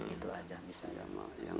itu aja misalnya